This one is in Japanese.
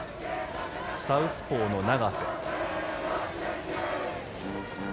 サウスポーの長瀬。